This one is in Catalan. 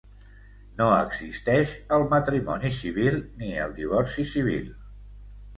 No existeix el matrimoni civil ni el divorci civil.